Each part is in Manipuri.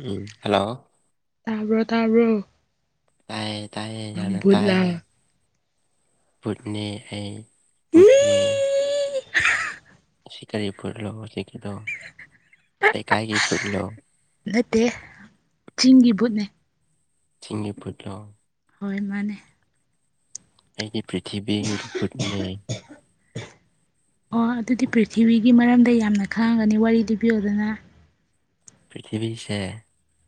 ꯎꯝ ꯍꯂꯣ ꯇꯥꯕ꯭ꯔꯣ ꯇꯥꯕ꯭ꯔꯣ ꯇꯌꯦ ꯇꯌꯦ ꯅꯪ ꯌꯥꯝꯅ ꯇꯌꯦ ꯕꯨꯠꯂꯥ ꯄꯨꯠꯅꯦ ꯑꯩ ꯄꯨꯠꯅꯦ ꯁꯤ ꯀꯔꯤ ꯄꯨꯠꯂꯣ ꯍꯧꯖꯤꯛꯀꯤꯗꯣ ꯂꯩꯀꯥꯏꯒꯤ ꯄꯨꯠꯂꯣ ꯅꯠꯇꯦ ꯆꯤꯡꯒꯤ ꯕꯨꯠꯅꯦ ꯆꯒꯤ ꯄꯨꯠꯂꯣ ꯍꯣꯏ ꯃꯥꯅꯦ ꯑꯩꯒꯤ ꯄ꯭ꯔꯤꯊꯤꯕꯤꯒꯤ ꯄꯨꯠꯅꯦ ꯑꯣ ꯑꯗꯨꯗꯤ ꯄ꯭ꯔꯤꯊꯤꯕꯤꯒꯤ ꯃꯔꯝꯗ ꯌꯥꯝꯅ ꯈꯪꯉꯝꯒꯅꯤ ꯋꯥꯔꯤ ꯂꯤꯕꯤꯌꯣꯗꯅ ꯄ꯭ꯔꯤꯊꯤꯕꯤꯁꯦ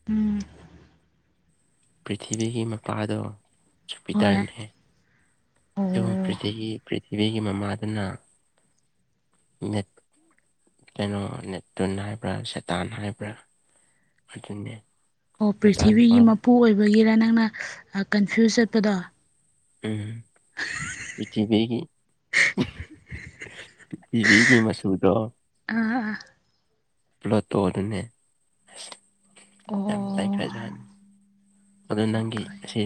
ꯎꯝ ꯄ꯭ꯔꯤꯊꯤꯕꯤꯒꯤ ꯃꯄꯥꯗꯣ ꯍꯣꯏ ꯖꯨꯄꯤꯇꯔꯅꯦ ꯑꯗꯨꯒ ꯄ꯭ꯔꯤꯊ ꯄ꯭ꯔꯤꯊꯤꯕꯤꯒꯤ ꯃꯃꯥꯗꯨꯅ ꯅꯦꯠ ꯀꯩꯅꯣ ꯅꯦꯇꯨꯟ ꯍꯥꯏꯕ꯭ꯔꯥ ꯁꯦꯇꯥꯟ ꯍꯥꯏꯕ꯭ꯔꯥ ꯑꯗꯨꯅꯦ ꯑꯣ ꯄ꯭ꯔꯤꯊꯤꯕꯤꯒꯤ ꯃꯆꯥꯅꯨꯄꯥ ꯃꯄꯨ ꯑꯣꯏꯕꯒꯤꯔ ꯅꯪꯅ ꯀꯟꯐ꯭ꯌꯨꯁ ꯆꯠꯄꯗꯣ ꯎꯝ ꯄꯆꯕꯒꯤ ꯄ꯭ꯔꯤꯊꯤꯕꯤꯤꯒꯤ ꯃꯆꯨꯗꯣ ꯑ ꯄ꯭ꯂꯣꯇꯣꯗꯨꯅꯦ ꯑꯣ ꯌꯥꯝ ꯇꯥꯏꯈ꯭ꯔꯦꯖꯍꯅꯤ ꯑꯗꯨ ꯌꯥꯝ ꯅꯪꯒꯤ ꯐꯩ ꯑꯁꯤ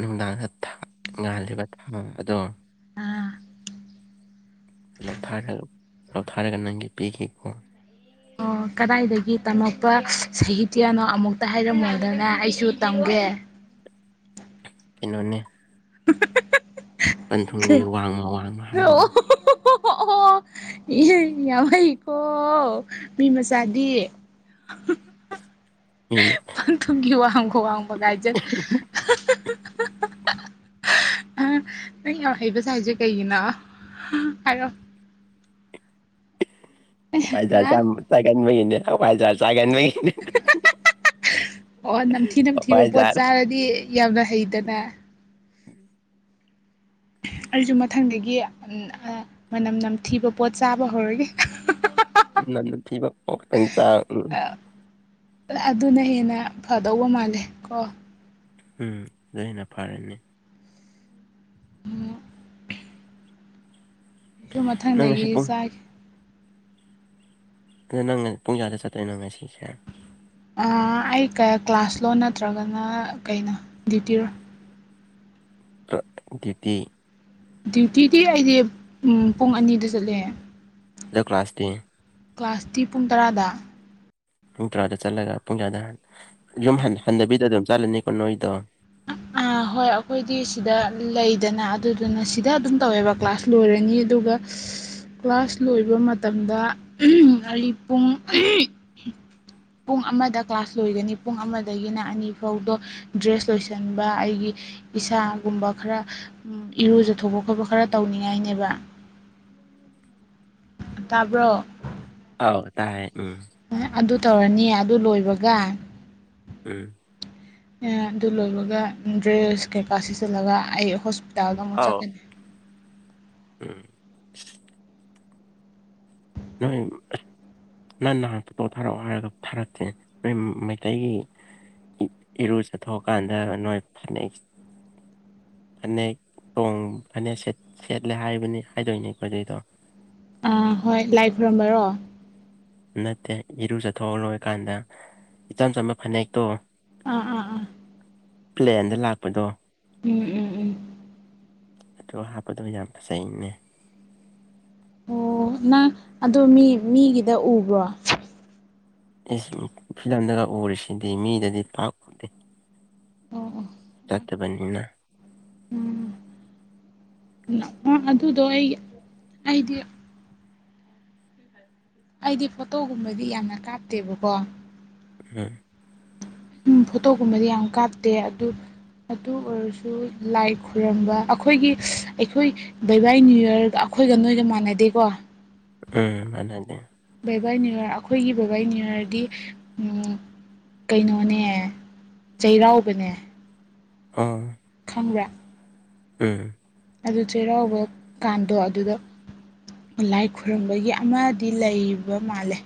ꯅꯨꯡꯗꯥꯡꯗ ꯉꯥꯜꯂꯤꯕ ꯊꯥ ꯃꯝꯕꯗꯣ ꯑꯥ ꯂꯧꯊꯥ [unintelligible] ꯂꯧꯊꯥꯔꯒ ꯅꯪꯒꯤ ꯄꯤꯈꯤꯀꯣ ꯑꯣ ꯀꯗꯥꯏꯗꯒꯤ ꯇꯝꯃꯛꯄ ꯁꯍꯤꯇ꯭ꯌꯥꯅꯣ ꯑꯃꯨꯛꯇ ꯍꯥꯏꯔꯝꯃꯨꯗꯅ ꯑꯩꯁꯨ ꯇꯝꯒꯦ ꯍꯦ ꯏꯩꯅꯣꯟꯅꯦ [unintelligible] ꯋꯥꯡꯃ ꯋꯥꯡꯃ ꯍꯥꯏꯕꯗꯣ ꯑꯣ ꯍꯣ ꯑꯣ ꯌꯥꯝ ꯍꯩꯀꯣ ꯃꯤ ꯃꯆꯥꯗꯤ ꯃꯤ [unintelligible] ꯄꯥꯟ ꯊꯨꯝꯒꯤꯈꯤꯕ ꯋꯥꯍꯪꯈꯣ ꯋꯥꯪꯕ ꯉꯥꯏꯖꯠ [unintelligible] ꯅꯪ ꯌꯥꯝ ꯍꯩꯕꯁ ꯍꯥꯏꯁꯦ ꯀꯩꯒꯤꯅꯣ ꯍꯥꯏꯔꯣ ꯄꯥꯏꯖꯔ ꯆ ꯍꯥ ꯆꯒ ꯃꯅꯦ ꯄꯥꯏꯖꯔ ꯆꯒ ꯃꯅꯦ ꯑꯣ ꯅꯝꯊꯤ ꯅꯝꯊꯤꯕ ꯄꯣꯠ ꯆꯥꯔꯗꯤ ꯌꯥꯝꯅ ꯍꯩꯗꯅ ꯎꯝ ꯑꯩꯁꯨ ꯃꯊꯪꯗꯒꯤ ꯃꯅꯝ ꯅꯝꯊꯤꯕ ꯄꯣꯠ ꯆꯥꯕ ꯍꯧꯔꯒꯦ ꯅ ꯐ ꯆꯥ ꯑꯗꯨꯅ ꯍꯦꯟꯅ ꯐꯗꯧꯕ ꯃꯥꯜꯂꯦ ꯀꯣ ꯎꯝ ꯑꯗꯨ ꯑꯩꯅ ꯐꯔꯅꯦ ꯑꯣ ꯑꯩꯁꯨ ꯅꯪ ꯃꯊꯪꯗꯒꯤ ꯉꯁꯤ ꯄꯨꯡ ꯆꯥꯏꯈꯤ ꯑꯗ ꯅꯪꯉ ꯄꯨꯡꯖꯥꯗ ꯆꯠꯇꯦ ꯅꯪꯉ ꯁꯤꯁꯦ ꯑꯩ ꯀ꯭ꯂꯥꯁꯂꯣ ꯅꯠꯇ꯭ꯔꯒꯅ ꯀꯩꯅꯣ ꯗ꯭ꯌꯨꯇꯤꯔꯣ ꯇ ꯗ꯭ꯇꯤ ꯗ꯭ꯌꯨꯇꯤꯗꯤ ꯑꯩꯗꯤ ꯄꯨꯡ ꯑꯅꯤꯗ ꯆꯠꯂꯦ ꯑꯗꯨꯗ ꯀ꯭ꯂꯥꯁꯇ ꯀ꯭ꯂꯥꯁꯇꯤ ꯄꯨꯡ ꯇꯔꯥꯗ ꯄꯨꯡ ꯇꯔꯥꯗ ꯆꯠꯂꯒ ꯄꯨꯡ ꯇꯥꯗ ꯌꯨꯝ ꯍꯟꯊꯕꯤꯗ ꯑꯗꯨꯝ ꯆꯠꯂꯅꯤꯀꯣ ꯅꯣꯏꯗꯣ [unintelligible] ꯍꯣꯏ ꯑꯩꯈꯣꯏꯗꯤ ꯁꯤꯗ ꯂꯩꯗꯅ ꯑꯗꯨꯗꯨꯅ ꯁꯤꯗ ꯑꯗꯨꯝ ꯇꯧꯋꯦꯕ ꯀ꯭ꯂꯥꯁ ꯂꯣꯏꯔꯅꯤ ꯑꯗꯨꯒ [unintelligible] ꯀ꯭ꯂꯥꯁ ꯂꯣꯏꯕ ꯃꯇꯝꯗ ꯑꯔꯤ ꯄꯨꯡ ꯄꯨꯡ ꯑꯃꯗ ꯀ꯭ꯂꯥꯁ ꯂꯣꯏꯒꯅꯤ ꯄꯨꯡ ꯑꯃꯗꯒꯤꯅ ꯑꯅꯤ ꯐꯥꯎꯗꯣ ꯗ꯭ꯔꯦꯁ ꯆꯣꯏꯁꯟꯕ ꯑꯩꯒꯤ ꯏꯁꯥꯒꯨꯝꯕ ꯈꯔ ꯏꯔꯨꯖꯊꯣꯛꯄ ꯈꯣꯠꯄ ꯈꯔ ꯇꯧꯅꯤꯡꯉꯥꯏꯅꯤ ꯑꯦꯕꯥ [inaudible] [inaudible] ꯇꯥꯕ꯭ꯔꯣ ꯑꯥꯎ ꯇꯥꯏ ꯎꯝ ꯇꯧꯔꯅꯤꯌꯦ ꯑꯗꯨ ꯂꯣꯏꯕꯒ ꯎꯝ ꯏꯌꯥ ꯑꯗꯨ ꯂꯣꯏꯕꯒ ꯗ꯭ꯔꯦꯁ ꯀꯩꯀꯥ ꯁꯤꯆꯤꯜꯂꯒ ꯑꯩ ꯍꯣꯏ ꯇꯜꯒ ꯑꯃꯨ ꯑꯥꯎ ꯆꯠ ꯀꯅꯤ ꯎꯝ ꯎꯝ ꯅꯪ ꯅꯍꯥꯟ ꯐꯣꯇꯣ ꯊꯥꯔꯛꯑꯣ ꯍꯥꯏꯔꯒ ꯊꯥꯔꯛꯇꯦ ꯅꯣꯏ ꯃꯩꯇꯩꯒꯤ ꯏꯔꯨ ꯖꯊꯣꯛꯑꯀꯥꯟꯗ ꯅꯣꯏ ꯐꯅꯦꯛ ꯐꯅꯦꯛ ꯇꯣꯡ ꯐꯅꯦꯠ ꯁꯦꯠ ꯁꯦꯠꯂꯦ ꯍꯥꯏꯕꯅꯤ ꯍꯥꯏꯗꯣꯏꯅꯦ ꯐꯖꯩꯗꯣ ꯑꯥ ꯍꯣꯏ ꯂꯥꯏ ꯈꯨꯔꯝꯕꯔꯣ ꯅꯠꯇꯦ ꯏꯔꯨ ꯖꯊꯣꯛꯑ ꯂꯣꯏꯔꯀꯥꯟꯗ ꯏꯆꯝ ꯆꯝꯕ ꯐꯅꯦꯛꯇꯣ ꯑꯥ ꯑꯥ ꯑꯥ ꯄ꯭ꯂꯦꯟꯗ ꯂꯥꯛꯄꯗꯣ ꯎꯝ ꯎꯝ ꯎꯝ ꯑꯗꯣ ꯍꯥꯞꯄꯗ ꯌꯥꯝ ꯐꯖꯩꯅꯦ ꯑꯣ ꯅꯪ ꯑꯗꯣ ꯃꯤ ꯃꯤꯒꯤꯗ ꯎꯕ꯭ꯔꯣ ꯑꯤꯁ ꯐꯤꯂꯝꯗꯒ ꯎꯔꯤꯁꯤꯗꯤ ꯃꯤꯗꯗꯤ ꯄꯥꯛ ꯎꯗꯦ ꯑꯣ ꯑꯣ ꯇꯕꯟꯅꯤꯅ ꯎꯝ ꯅ ꯑꯝ ꯑꯗꯨꯗꯣ ꯑꯩꯒꯤ ꯑꯩꯗꯤꯌꯥ ꯑꯩꯗꯤ ꯐꯣꯇꯣꯒꯨꯝꯕꯗꯤ ꯌꯥꯝꯅ ꯀꯥꯞꯇꯦꯕꯀꯣ ꯎꯝ ꯐꯣꯇꯣꯒꯨꯝꯕꯗꯤ ꯌꯥꯝ ꯀꯥꯞꯇꯦ ꯑꯗꯨ ꯑꯗꯨ ꯑꯣꯏꯔꯁꯨ ꯂꯥꯏ ꯈꯨꯔꯝꯕ ꯑꯈꯣꯏꯒꯤ ꯑꯩꯈꯣꯏ ꯕꯥꯏ ꯕꯥꯏ ꯅ꯭ꯌꯨ ꯌꯔꯗ ꯑꯈꯣꯏꯒ ꯅꯣꯏꯒ ꯃꯥꯟꯅꯗꯦꯀꯣ ꯎꯝ ꯑꯗꯨꯅꯦ ꯕꯥꯏꯕꯥꯏ ꯅ꯭ꯌꯨꯋꯔ ꯑꯈꯣꯏꯒꯤ ꯕꯥꯏ ꯕꯥꯏ ꯅ꯭ꯌꯨꯋꯔꯗꯤ ꯑꯝ ꯀꯩꯅꯣꯅꯦ ꯆꯩꯔꯥꯎꯕꯅꯦ ꯑ ꯈꯪꯕ꯭ꯔꯥ ꯎꯝ ꯑꯗꯨ ꯆꯩꯔꯥꯎꯕ ꯀꯥꯟꯗꯣ ꯑꯗꯨꯗ ꯂꯥꯏ ꯈꯨꯔꯨꯝꯕꯒꯤ ꯑꯃꯗꯤ ꯂꯩꯕ ꯃꯥꯜꯂꯦ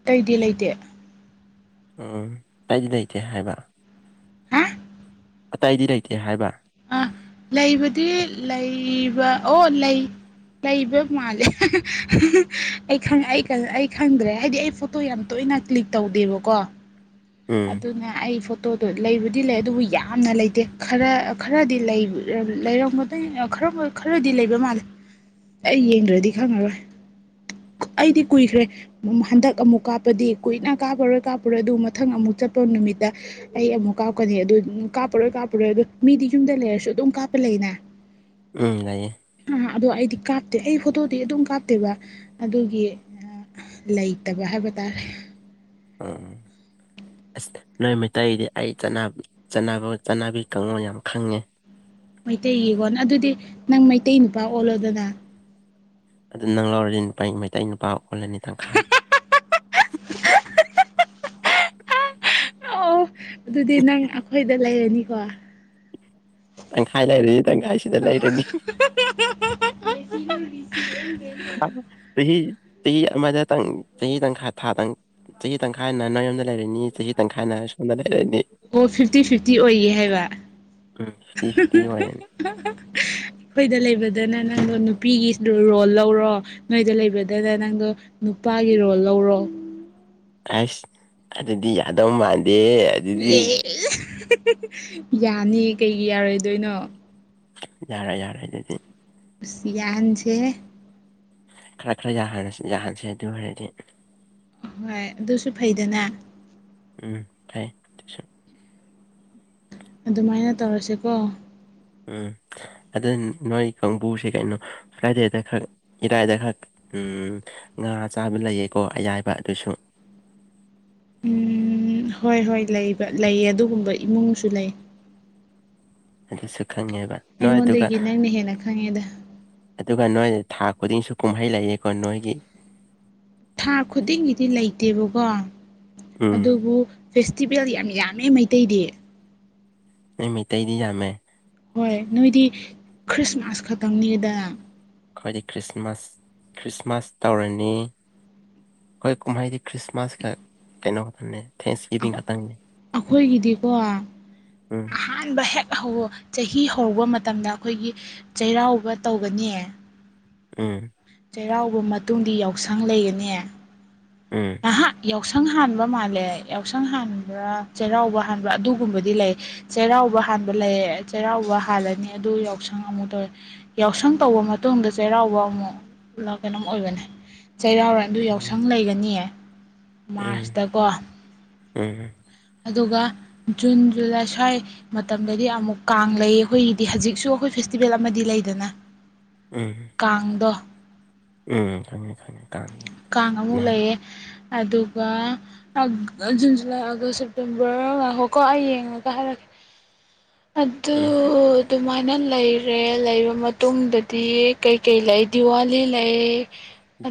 ꯑꯇꯩꯗꯤ ꯂꯩꯇꯦ ꯎꯝ ꯑꯩꯗꯤ ꯂꯩꯇꯦ ꯍꯥꯏꯕ ꯍꯥ ꯑꯇꯩꯗꯤ ꯂꯩꯇꯦ ꯍꯥꯏꯕ ꯑꯥ ꯂꯩꯕꯗꯤ ꯂꯩꯕ ꯑꯣ ꯂꯩ ꯂꯩꯕ ꯃꯥꯜꯂꯦ ꯑꯩ ꯈꯪ ꯑꯩ ꯑꯩ ꯈꯪꯗ꯭ꯔꯦ ꯍꯥꯏꯗꯤ ꯑꯩ ꯐꯣꯇꯣ ꯌꯥꯝ ꯇꯣꯏ ꯑꯩꯅ ꯀ꯭ꯂꯤꯛ ꯇꯧꯗꯦꯕꯀꯣ ꯎꯝ ꯑꯗꯨꯅ ꯑꯩ ꯐꯣꯠ ꯇꯣꯗꯣ ꯂꯩꯕꯨꯗꯤ ꯂꯩ ꯑꯗꯨꯕꯨ ꯌꯥꯝꯅ ꯂꯩꯇꯦ ꯈꯔ ꯈꯔꯗꯤ ꯂꯩ ꯑ ꯂꯩꯔꯝꯒꯗꯒꯦ ꯔꯣꯕꯣꯏ ꯈꯔꯗꯤ ꯂꯩꯕ ꯃꯥꯜꯂꯦ ꯑꯩ ꯌꯦꯡꯗ꯭ꯔꯥꯗꯤ ꯈꯪꯉꯔꯣꯏ ꯑꯩꯗꯤ ꯀꯨꯏꯈ꯭ꯔꯦ ꯍꯟꯗꯛ ꯑꯃꯨꯛ ꯀꯥꯞꯄꯗꯤ ꯀꯨꯏꯅ ꯀꯥꯞꯄꯔꯣꯏ ꯀꯥꯞꯄꯔꯣꯏ ꯑꯗꯨ ꯃꯠ ꯃꯊꯪ ꯑꯃꯨꯛ ꯆꯠꯄ ꯅꯨꯃꯤꯠꯗ ꯑꯩ ꯑꯃꯨꯛ ꯀꯥꯞꯀꯅꯤ ꯑꯗꯨ ꯀꯥꯞꯄꯔꯣꯏ ꯀꯥꯞꯄꯔꯣꯏ ꯑꯗꯨ ꯃꯤꯗꯤ ꯌꯨꯝꯗ ꯂꯩꯔꯁꯨ ꯑꯗꯨꯝ ꯀꯥꯞꯄ ꯂꯩꯅ ꯎꯝ ꯌꯥꯏꯌꯦ ꯑꯗꯣ ꯑꯩꯗꯤ ꯀꯥꯞꯇꯦ ꯑꯩ ꯐꯣꯇꯣꯗꯤ ꯑꯗꯨꯝ ꯀꯥꯞꯇꯦꯕ ꯑꯗꯨꯒꯤ ꯂꯩꯇꯕ ꯍꯥꯏꯕ ꯇꯥꯔꯦ ꯎꯝ ꯑꯁ ꯅꯣꯏ ꯃꯩꯇꯩꯗꯤ ꯑꯩ ꯆꯠꯅꯕꯤ ꯀꯥꯡꯂꯣꯟ ꯌꯥꯝ ꯈꯪꯉꯦ ꯃꯩꯇꯩꯒꯤꯀꯣ ꯑꯗꯨꯗꯤ ꯅꯪ ꯃꯩꯇꯩ ꯅꯨꯄꯥ ꯑꯣꯜꯂꯣꯗꯅ ꯑꯗꯨ ꯅꯪ ꯂꯧꯔꯗꯤ ꯅꯨꯄꯥ ꯃꯩꯇꯩ ꯅꯨꯄꯥ ꯑꯣꯜꯂꯅꯤ ꯇꯪꯈꯥꯏ ꯑꯣ ꯑꯗꯨꯗꯤ ꯅꯪ ꯑꯩꯈꯣꯏꯗ ꯂꯩꯔꯅꯤꯀꯣ ꯇꯪꯈꯥꯏ ꯂꯩꯔꯅꯤ ꯇꯪꯈꯥꯏꯁꯤꯗ ꯂꯩꯔꯅꯤ ꯍꯪꯗꯤ ꯆꯍꯤ ꯆꯍꯤ ꯑꯃꯗꯇꯪ ꯆꯍꯤ ꯇꯪꯈꯥꯏ ꯊꯥ ꯇꯪ ꯆꯍꯤ ꯇꯪꯈꯥꯏꯅ ꯅꯣꯏꯌꯣꯝꯗ ꯂꯩꯔꯅꯤ ꯆꯍꯤ ꯇꯪꯈꯥꯏꯅ ꯁꯣꯝꯗ ꯂꯩ ꯑꯣ ꯐꯤꯐꯇꯤ ꯐꯤꯐꯇꯤ ꯑꯣꯏꯌꯦ ꯍꯥꯏꯕ ꯎꯝ ꯐꯤꯐꯇꯤ ꯐꯤꯐꯇꯤ ꯑꯣꯏꯔꯅꯤ ꯑꯩꯈꯣꯏꯗ ꯂꯩꯕꯗꯅ ꯅꯪꯗꯣ ꯅꯨꯄꯤꯒꯤ ꯔꯣꯜ ꯂꯧꯔꯣ ꯅꯣꯏꯗ ꯂꯩꯕꯗꯅ ꯅꯪꯗꯣ ꯅꯨꯄꯥꯒꯤ ꯔꯣꯜ ꯂꯧꯔꯣ ꯑꯁ ꯑꯗꯨꯗꯤ ꯌꯥꯗꯧ ꯃꯥꯟꯗꯦ ꯑꯗꯨꯗꯤ ꯌꯥꯅꯤ ꯀꯩꯒꯤ ꯌꯥꯔꯣꯏꯗꯣꯏꯅꯣ ꯌꯥꯔꯦ ꯌꯥꯔꯦ ꯑꯗꯨꯗꯤ ꯌꯥꯍꯟꯁꯦ ꯍꯦ ꯈꯔ ꯈꯔ ꯌꯥꯍꯥꯟꯁꯤ ꯌꯥꯍꯟꯁꯦ ꯑꯗꯨ ꯑꯣꯏꯔꯗꯤ ꯍꯣꯏ ꯑꯗꯨꯁꯨ ꯐꯩꯗꯅ ꯎꯝ ꯐꯩ ꯑꯗꯨꯁꯨ ꯑꯗꯨꯃꯥꯏꯅ ꯇꯧꯔꯁꯦꯀꯣ ꯎꯝ ꯑꯗꯨ ꯅꯣꯏ ꯀꯥꯡꯕꯨꯁꯦ ꯀꯩꯅꯣ ꯐꯥꯏꯔꯗꯦꯗ ꯈꯛ ꯏꯔꯥꯏꯗ ꯈꯛ ꯎꯝ ꯉꯥ ꯆꯥꯕ ꯂꯩꯌꯦꯀꯣ ꯑꯌꯥꯏꯕ ꯑꯗꯨꯁꯨ ꯎꯝ ꯍꯣꯏ ꯍꯣꯏ ꯂꯩꯕ ꯂꯩꯌꯦ ꯑꯗꯨꯒꯨꯝꯕ ꯏꯃꯨꯡꯁꯨ ꯂꯩ ꯑꯗꯨꯁꯨ ꯈꯪꯉꯦꯕ ꯅꯣꯏ ꯑꯗꯨꯒ ꯑꯩꯉꯣꯟꯗꯒꯤ ꯅꯪꯅ ꯍꯦꯟꯅ ꯈꯪꯉꯦꯗ ꯑꯗꯨꯒ ꯅꯣꯏ ꯊꯥ ꯈꯨꯗꯤꯡꯁꯨ ꯀꯨꯝꯍꯩ ꯂꯩꯌꯦꯀꯣ ꯅꯣꯏꯒꯤ ꯊꯥ ꯈꯨꯗꯤꯡꯒꯤꯗꯤ ꯂꯩꯇꯦꯕꯀꯣ ꯎꯝ ꯑꯗꯨꯕꯨ ꯐꯦꯁꯇꯤꯚꯦꯜ ꯌꯥꯝ ꯌꯥꯝꯃꯦ ꯃꯩꯇꯩꯗꯤ ꯃꯤꯇꯩꯗꯤꯖꯃꯦ ꯍꯣꯏ ꯅꯣꯏꯗꯤ ꯈ꯭ꯔꯤꯁꯃꯥꯁ ꯈꯛꯇꯪꯅꯤꯗꯅ ꯑꯩꯈꯣꯏꯗꯤ ꯈ꯭ꯔꯤꯁꯃꯥꯁ ꯈ꯭ꯔꯤꯁꯃꯥꯁ ꯇꯧꯔꯅꯤ ꯑꯩꯈꯣꯏ ꯀꯨꯝꯍꯥꯏꯗꯤ ꯈ꯭ꯔꯤꯁꯃꯥꯁ ꯀ ꯀꯩꯅꯣ ꯀ ꯊꯅꯦ ꯑꯩꯈꯣꯏꯒꯤꯗꯤꯀꯣ ꯎꯝ ꯑꯍꯥꯟꯕ ꯍꯦꯛ ꯆꯍꯤ ꯍꯔꯧꯕ ꯃꯇꯝꯗ ꯑꯩꯈꯣꯏꯒꯤ ꯆꯩꯔꯥꯎꯕ ꯇꯧꯒꯅꯤ ꯑꯝ ꯆꯩꯔꯥꯎꯕ ꯃꯇꯨꯡꯗꯤ ꯌꯥꯎꯁꯪ ꯂꯩꯒꯅꯤ ꯎꯝ ꯑ ꯌ ꯌꯥꯎꯁꯪ ꯍꯥꯟꯕ ꯃꯥꯜꯂꯦ ꯌꯥꯎꯁꯪ ꯍꯥꯟꯕ꯭ꯔ ꯆꯩꯔꯥꯎꯕ ꯍꯥꯟꯕ ꯑꯗꯨꯒꯨꯝꯕꯗꯤ ꯂꯩ ꯆꯩꯔꯥꯎꯕ ꯍꯥꯟꯕ ꯂꯩꯌꯦ ꯆꯩꯔꯥꯎꯕ ꯍꯥꯜꯂꯅꯤ ꯑꯗꯨ ꯌꯥꯎꯁꯪ ꯑꯃꯨꯛ ꯇꯧꯋꯦ ꯌꯥꯎꯁꯪ ꯇꯧꯕ ꯃꯇꯨꯡꯗ ꯆꯩꯔꯥꯎ ꯍꯧꯕ ꯑꯃꯨꯛ ꯄꯨ ꯀꯩꯅꯣꯝꯛ ꯑꯣꯏꯕꯅꯦ ꯆꯩꯔꯥꯎꯔ ꯑꯗꯨ ꯎꯝ ꯌꯥꯎꯁꯪ ꯂꯩꯒꯅꯤꯌꯦ ꯃꯥꯔꯁꯇꯀꯣ ꯎꯝ ꯑꯗꯨꯒ ꯖꯨꯟ ꯖꯨꯂꯥꯏ ꯁ꯭ꯋꯥꯏ ꯃꯇꯝꯗꯗꯤ ꯑꯃꯨꯛ ꯀꯥꯡ ꯂꯩ ꯑꯩꯈꯣꯏꯒꯤꯗꯤ ꯍꯧꯖꯤꯛꯁꯨ ꯑꯩꯈꯣꯏ ꯐꯦꯁꯇꯤꯚꯦꯜ ꯑꯃꯗꯤ ꯂꯩꯗꯅ ꯀꯥꯡꯗꯣ ꯎꯪꯉꯦ ꯈꯪꯉꯦ ꯀꯥꯡ ꯀꯥꯡ ꯅꯍꯥꯟ ꯃꯨꯂꯩꯌꯦ ꯑꯗꯨꯒ ꯖꯨꯟ ꯖꯨꯂꯥꯏ ꯑꯥꯒꯁ ꯁꯦꯞꯇꯦꯝꯕꯔ ꯉ ꯍꯣꯀꯣ ꯑꯩ ꯌꯦꯡꯉꯒ ꯍꯥꯏꯔꯛꯀꯦ [unintelligible] ꯑꯗꯨ ꯑꯗꯨꯃꯥꯏꯅ ꯂꯩꯔꯦ ꯂꯩꯔꯕ ꯃꯇꯨꯡꯗꯗꯤ ꯀꯩꯀꯩ ꯂꯩ ꯗꯤꯋꯥꯂꯤ ꯂꯩ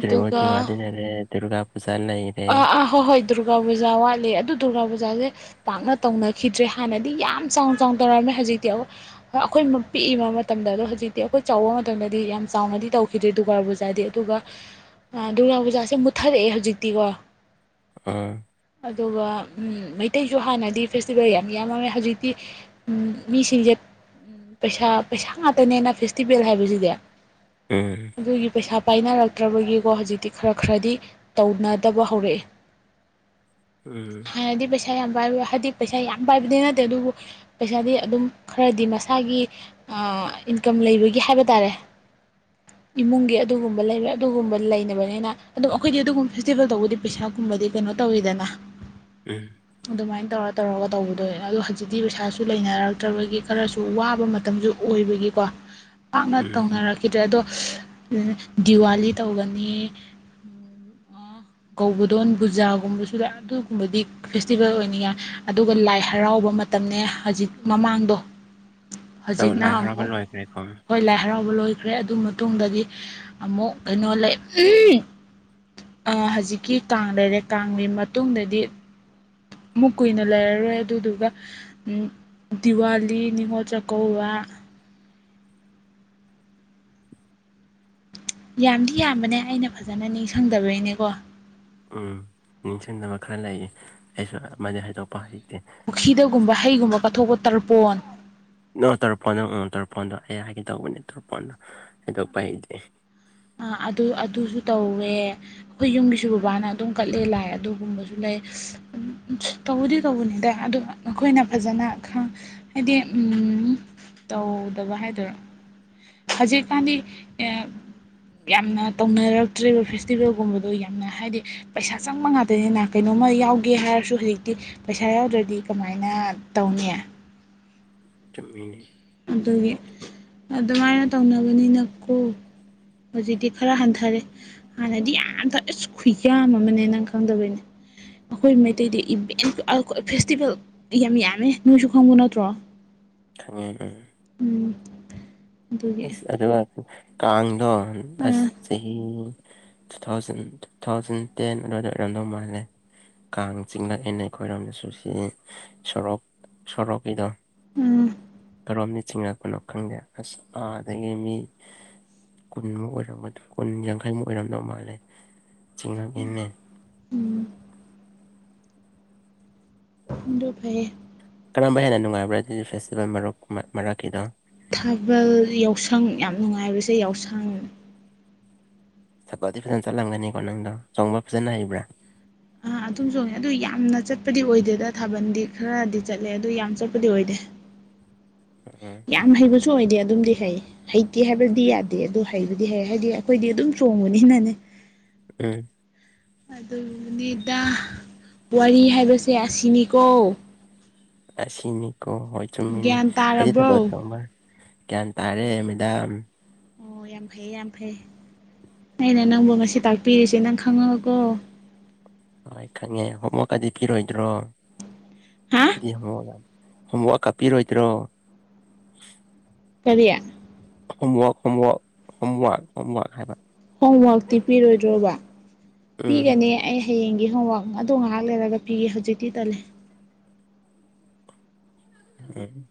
ꯗ꯭ꯔꯦꯕꯗꯤ ꯋꯥꯗꯅꯔꯦ ꯗꯨꯔꯒꯥ ꯄꯨꯖꯥꯅ ꯏꯔꯦ ꯑꯥ ꯑꯥ ꯍꯣꯏ ꯍꯣꯏ ꯗꯨꯔꯒꯥ ꯄꯨꯖꯥ ꯋꯥꯠꯂꯦ ꯑꯗꯨ ꯗꯨꯔꯒꯥ ꯄꯨꯖꯥꯁꯦ ꯄꯥꯛꯅ ꯇꯧꯅꯈꯤꯗ꯭ꯔꯦ ꯍꯥꯟꯅꯗꯤ ꯌꯥꯝ ꯆꯥꯎ ꯆꯥꯎ ꯇꯧꯔꯝꯃꯤ ꯍꯧꯖꯤꯛꯇꯤ ꯑꯩꯈꯣꯏ ꯄꯤꯛꯏꯕ ꯃꯇꯝꯗ ꯑ ꯍꯧꯖꯤꯛꯇꯤ ꯑꯩꯈꯣꯏ ꯆꯥꯎꯕ ꯃꯇꯝꯗꯗꯤ ꯌꯥꯝ ꯆꯥꯎꯅ ꯇꯧꯈꯤꯗ ꯗꯨꯔꯒꯥ ꯄꯨꯖꯥꯗꯤ ꯑꯗꯨꯒ ꯗꯨꯔꯒꯥ ꯄꯨꯖꯥꯁꯦ ꯃꯨꯠꯊꯔꯛꯑꯦ ꯍꯧꯖꯤꯛꯇꯤꯀꯣ ꯑ ꯑꯗꯨꯒ ꯃꯩꯇꯩꯁꯨ ꯍꯥꯟꯅꯗꯤ ꯐꯦꯁꯇꯤꯚꯦꯜ ꯌꯥꯝ ꯌꯥꯝꯃꯃꯦ ꯍꯧꯖꯤꯛꯇꯤ ꯃꯤꯁꯤꯡꯁꯦ ꯎꯝ ꯄꯩꯁꯥ ꯄꯩꯁꯥ ꯉꯥꯛꯇꯅꯦꯅ ꯐꯦꯁꯇꯤꯚꯦꯜ ꯍꯥꯏꯕꯁꯤꯗꯤ ꯎꯝ ꯑꯗꯨꯒꯤ ꯄꯩꯁꯥ ꯄꯥꯏꯅꯔꯛꯇ꯭ꯔꯕꯒꯤꯀꯣ ꯍꯧꯖꯤꯛꯇꯤ ꯈꯔ ꯈꯔꯗꯤ ꯇꯧꯅꯗꯕ ꯍꯧꯔꯛꯑꯦ ꯎꯝ ꯍꯥꯟꯅꯗꯤ ꯄꯩꯁꯥ ꯌꯥꯝ ꯄꯥꯏꯕ ꯍꯥꯏꯗꯤ ꯄꯩꯁꯥ ꯌꯥꯝ ꯄꯥꯏꯕꯗꯤ ꯅꯠꯇꯦ ꯑꯗꯨꯕꯨ ꯄꯩꯁꯥꯗꯤ ꯑꯗꯨꯝ ꯈꯔꯗꯤ ꯃꯁꯥꯒꯤ ꯏꯟꯀꯝ ꯂꯩꯕꯒꯤ ꯍꯥꯏꯕ ꯇꯥꯔꯦ [inaudible] ꯏꯃꯨꯡꯒꯤ ꯑꯗꯨꯒꯨꯝꯕ ꯂꯩꯕ ꯑꯗꯨꯒꯨꯝꯕ ꯂꯩꯅꯕꯅꯤꯅ ꯑꯗꯨꯝ ꯑꯩꯈꯣꯏꯗꯤ ꯑꯗꯨꯒꯨꯝ ꯐꯦꯁꯇꯤꯚꯦꯜ ꯇꯧꯕꯗꯤ ꯄꯩꯁꯥꯒꯨꯝꯕꯗꯤ ꯀꯩꯅꯣ ꯇꯧꯋꯤꯗꯅ ꯎꯝ ꯑꯗꯨꯃꯥꯏꯅ ꯇꯧꯔ ꯇꯧꯔꯒ ꯇꯧꯕꯗꯣ ꯑꯗꯣ ꯍꯧꯖꯤꯛꯇꯤ ꯄꯩꯁꯥꯁꯨ ꯂꯩꯅꯔꯛꯇ꯭ꯔꯕꯒꯤ ꯈꯔꯁꯨ ꯋꯥꯕ ꯃꯇꯝꯁꯨ ꯑꯣꯏꯕꯒꯤ ꯀꯣ ꯄꯥꯛꯅ ꯎꯝ ꯇꯧꯅꯔꯛꯈꯤꯗ꯭ꯔꯦ ꯑꯗꯣ ꯗꯤꯋꯥꯂꯤ ꯇꯧꯒꯅꯤ ꯀꯧꯕꯗꯣꯟ ꯕꯨꯖꯥꯒꯨꯝꯕꯁꯨ ꯂ ꯑꯗꯨꯒꯨꯝꯕꯗꯤ ꯐꯦꯁꯇꯤꯚꯦꯜ ꯑꯣꯏꯅꯤꯡꯉꯏ ꯑꯗꯨꯒ ꯂꯥꯏ ꯍꯔꯥꯎꯕ ꯍꯧ ꯃ ꯇꯧ ꯂꯥꯏ ꯍꯔꯥꯎꯕ ꯂꯣꯏꯈ꯭ꯔꯦꯀꯣ ꯍꯧ ꯂꯥꯏ ꯍꯔꯥꯎ ꯑꯗꯨ ꯃꯇꯨꯡ ꯑꯃꯩꯅꯣ ꯍꯧꯖꯤꯛꯀꯤ ꯀꯥꯡ ꯂꯩꯔꯦ ꯀꯥꯡꯒꯤ ꯃꯇꯨꯡꯗꯗꯤ ꯑꯃꯨꯛ ꯀꯨꯏꯅ ꯂꯩꯔꯔꯣꯏ ꯑꯗꯨꯗꯨꯒ ꯗꯤꯋꯥꯂꯤ ꯅꯤꯡꯉꯣꯜ ꯆꯥꯛꯀꯧꯕ ꯌꯥꯝꯗꯤ ꯌꯥꯝꯕꯅꯦ ꯑꯩꯅ ꯐꯖꯅ ꯅꯤꯡꯁꯪꯗꯕꯩꯅꯦꯀꯣ ꯎꯝ ꯅꯤꯡꯁꯤꯡꯅꯕ ꯈꯔ ꯂꯩꯌꯦ ꯑꯩꯁꯨ ꯑꯃꯥꯗꯤ ꯍꯥꯏꯗꯣꯛꯄ ꯍꯩ ꯄꯨꯈꯤꯗꯒꯨꯝꯕ ꯍꯩꯒꯨꯝꯕ ꯀꯠꯊꯣꯛꯄ ꯇꯔꯄꯣꯟ ꯅꯣ ꯇꯔꯄꯣꯟ ꯑ ꯇꯔꯄꯣꯟ ꯑꯩ ꯍꯥꯏꯒꯦ ꯇꯧꯕꯅꯦ ꯇꯔꯄꯣꯟꯗꯣ ꯍꯥꯏꯗꯣꯛꯄ ꯍꯩꯇꯦ ꯑ ꯑꯗꯨ ꯑꯗꯨꯁꯨ ꯇꯧꯋꯦ ꯑꯩꯈꯣꯏ ꯌꯨꯝꯒꯤꯁꯨ ꯕꯕꯥꯅ ꯑꯗꯨꯝ ꯀꯠꯂꯦ ꯂꯥꯏ ꯑꯗꯨꯒꯨꯝꯕꯁꯨ ꯂꯩ ꯇꯧꯕꯗꯤ ꯇꯧꯕꯅꯤꯗ ꯑꯗꯨ ꯑꯩꯈꯣꯏꯅ ꯐꯖꯅ ꯍꯥꯏꯗꯤ ꯎꯝ [inaudible] ꯇꯧꯗꯕ ꯍꯥꯏꯗꯣꯏꯔꯣ ꯍꯧꯖꯤꯛꯀꯥꯟꯗꯤ ꯌꯥꯝꯅ ꯇꯧꯅꯔꯛꯇ꯭ꯔꯦꯕ ꯐꯦꯁꯇꯤꯚꯦꯜꯒꯨꯝꯕꯗꯣ ꯌꯥꯝꯅ ꯍꯥꯏꯗꯤ ꯄꯩꯁꯥ ꯆꯪꯕ ꯉꯥꯛꯇꯅꯤꯅ ꯀꯩꯅꯣꯝ ꯑꯃ ꯌꯥꯎꯒꯦ ꯍꯥꯏꯔꯁꯨ ꯍꯧꯖꯤꯛꯇꯤ ꯄꯩꯁꯥ ꯌꯥꯎꯗ꯭ꯔꯗꯤ ꯀꯃꯥꯏꯅ ꯇꯧꯅꯤ ꯆꯨꯝꯃꯤꯅꯤ ꯑꯗꯨꯒꯤ ꯑꯗꯨꯃꯥꯏꯅ ꯇꯧꯅꯕꯅꯤꯅꯀꯣ ꯍꯧꯖꯤꯛꯇꯤ ꯈꯔ ꯍꯟꯊꯔꯦ ꯍꯥꯟꯅꯗꯤ ꯌꯥꯝ ꯑꯁ ꯈꯨꯌꯥꯝ ꯑꯃꯅꯦ ꯅꯪ ꯈꯪꯗꯕꯩꯅꯦ ꯑꯩꯈꯣꯏ ꯃꯩꯇꯩꯗꯤ ꯐꯦꯁꯇꯤꯚꯦꯜ ꯌꯥꯝ ꯌꯥꯝꯃꯦ ꯅꯣꯏꯁꯨ ꯈꯪꯕ ꯅꯠꯇ꯭ꯔꯣ ꯈꯪꯉꯦ ꯎꯝ ꯎꯝ ꯑꯗꯨꯒꯤ ꯑꯁ ꯑꯗꯨ ꯀꯥꯡꯗꯣ ꯑꯥ ꯑꯁ ꯆꯍꯤ two thousand two thousand ten ꯑꯗꯨꯋꯥꯗ ꯑꯣꯏꯔꯣꯝꯗꯧ ꯃꯥꯅꯦ ꯀꯥꯡ ꯆꯤꯡꯂꯛꯑꯦꯅ ꯑꯩꯈꯣꯏꯔꯣꯝꯗꯁꯨ ꯁꯤ ꯁꯣꯔꯣꯛ ꯁꯣꯔꯣꯛꯀꯤꯗꯣ ꯑꯥ ꯀꯔꯣꯝꯅꯤ ꯆꯤꯡꯉꯛꯄꯅꯣ ꯈꯪꯗꯦ ꯑꯁ ꯑꯥꯗꯒꯤ ꯃꯤ ꯀꯨꯟꯃꯨꯛ ꯑꯣꯏꯔꯝꯒꯗ ꯀꯨꯟ ꯌꯥꯡꯈꯩꯃꯨꯛ ꯑꯣꯏꯔꯝꯗꯧ ꯃꯥꯜꯂꯦ ꯆꯤꯡꯉꯛꯑꯦꯅꯦ ꯎꯝ ꯑꯗꯣ ꯐꯩꯌꯦ ꯀꯔꯝꯕ ꯍꯦꯟꯅ ꯅꯨꯡꯉꯥꯏꯕ꯭ꯔꯥ ꯑꯗꯨꯗꯤ ꯐꯦꯁꯇꯤꯚꯦꯜ ꯃꯔꯨꯞ ꯃꯔꯛꯀꯤꯗꯣ ꯊꯥꯕꯜ ꯌꯥꯎꯁꯪ ꯌꯥꯝ ꯅꯨꯡꯉꯥꯏꯕꯁꯦ ꯌꯥꯎꯁꯪ ꯊꯕꯜꯗꯤ ꯐꯖꯅ ꯆꯠꯂꯝꯒꯅꯤꯀꯣ ꯅꯪꯗꯣ ꯆꯣꯡꯕ ꯐꯖꯅ ꯍꯩꯕ꯭ꯔꯥ ꯑꯥ ꯑꯗꯨꯝ ꯆꯣꯡꯉꯦ ꯑꯗꯨ ꯌꯥꯝꯅ ꯆꯠꯄꯗꯤ ꯑꯣꯏꯗꯦꯗ ꯊꯥꯕꯟꯗꯤ ꯈꯔꯗꯤ ꯆꯠꯂꯦ ꯑꯗꯨ ꯌꯥꯝ ꯆꯠꯄꯗꯤ ꯑꯣꯏꯗꯦ [inaudible] ꯎꯝ ꯌꯥꯝ ꯍꯩꯕꯁꯨ ꯑꯣꯢꯗꯦ ꯑꯗꯨꯝꯗꯤ ꯍꯩ ꯍꯩꯇꯦ ꯍꯥꯏꯕꯗꯤ ꯌꯥꯗꯦ ꯑꯗꯨ ꯍꯩꯕꯗꯤ ꯍꯩ ꯍꯥꯏꯗꯤ ꯑꯩꯈꯣꯏꯗꯤ ꯑꯗꯨꯝ ꯆꯣꯡꯕꯅꯤꯅꯅꯦ ꯎꯝ ꯑꯗꯨꯅꯤꯗꯥ ꯋꯥꯔꯤ ꯍꯥꯏꯕꯁꯦ ꯑꯁꯤꯅꯤꯀꯣ ꯑꯁꯤꯅꯤ ꯀꯣ ꯍꯣꯏ ꯆꯃꯤꯅꯦ ꯒ꯭ꯌꯥꯟ ꯑꯩꯗꯤ ꯊꯥꯕꯜ ꯇꯥꯔꯕ꯭ꯔꯣ ꯆꯣꯡꯕ ꯚ꯭ꯌꯥꯟ ꯇꯥꯔꯦ ꯃꯦꯗꯥꯝ ꯑꯣ ꯌꯥꯝ ꯐꯩꯌꯦ ꯌꯥꯝ ꯐꯩ ꯑꯩꯅ ꯅꯪꯕꯨ ꯉꯁꯤ ꯇꯥꯛꯄꯤꯔꯤꯁꯦ ꯅꯪ ꯈꯪꯉꯒꯀꯣ ꯍꯣꯏ ꯈꯪꯉꯦ ꯍꯣꯝꯋꯀꯗꯤ ꯄꯤꯔꯣꯏꯗ꯭ꯔꯣ ꯍꯥ ꯑꯩꯗꯤ ꯍꯣ ꯍꯣꯝꯋꯥꯛ ꯀꯥꯞꯄꯤꯔꯣꯏꯗ꯭ꯔꯣ ꯀꯔꯤ ꯍꯚ ꯍꯚ ꯍꯚꯛ ꯍꯚꯒ ꯍꯥꯏꯕ ꯍꯣꯝꯋꯔꯛꯇꯤ ꯄꯤꯔꯣꯏꯗ꯭ꯔꯣꯕ ꯎꯝ ꯄꯤꯒꯅꯤ ꯑꯩ ꯍꯌꯦꯡꯒꯤ ꯍꯣꯝꯋꯥꯛ ꯑꯗꯨꯗ ꯉꯥꯏꯍꯥꯛ ꯂꯩꯔꯒ ꯄꯤꯒ ꯍꯧꯖꯤꯛꯇꯤ ꯇꯜꯂꯦ ꯎꯝ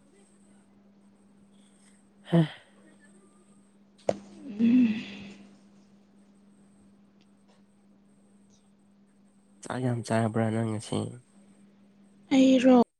[unintelligible] ꯎꯝ ꯆꯥꯛ ꯌꯥꯝ ꯆꯥꯔꯕ꯭ꯔꯥ ꯅꯪ ꯉꯁꯤ ꯑꯩꯔꯣ